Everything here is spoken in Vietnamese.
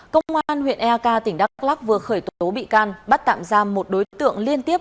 công an huyện eak tỉnh đắk lắc vừa khởi tố bị can bắt tạm giam một đối tượng liên tiếp